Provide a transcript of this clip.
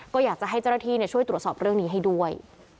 ก็อยากจะให้เจ้าหน้าที่ช่วยตรวจสอบเรื่องนี้ให้ด้วย